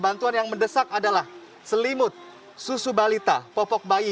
bantuan yang mendesak adalah selimut susu balita popok bayi